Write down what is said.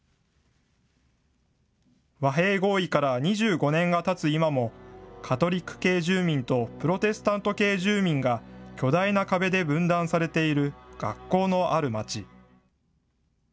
和平合意から２５年がたつ今も、カトリック系住民とプロテスタント系住民が、巨大な壁で分断されている、学校のある町。